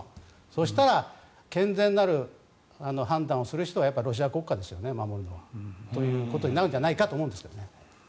そしたら健全なる判断をする人はロシア国家ですよね守るのはということになるのではと思いますが。